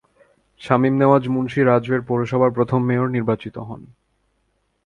শামীম নেওয়াজ মুন্সি রাজৈর পৌরসভার প্রথম মেয়র নির্বাচিত হন।